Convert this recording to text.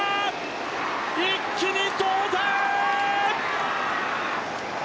一気に同点！